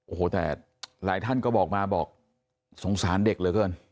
โอ้โหแต่หลายท่านก็บอกมาบอกสงสารเด็กเหลือเกิน